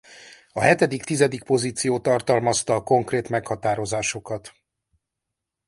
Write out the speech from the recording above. A hetedik-tizedik pozíció tartalmazta a konkrét meghatározásokat.